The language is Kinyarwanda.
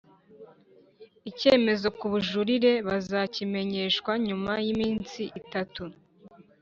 Icyemezo ku bujurire bazakimenyeshwa nyuma y’iminsi itatu